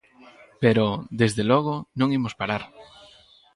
Pero, desde logo, non imos parar.